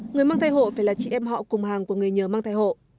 người mang thai hộ phải là chị em họ cùng hàng của người nhờ mang thai hộ